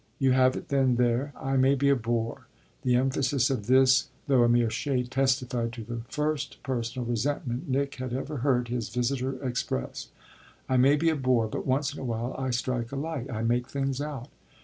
You have it then there! I may be a bore" the emphasis of this, though a mere shade, testified to the first personal resentment Nick had ever heard his visitor express "I may be a bore, but once in a while I strike a light, I make things out.